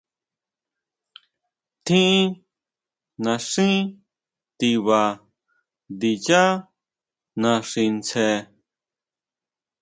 Tjín naxí tiba ndiyá naxi tsjen.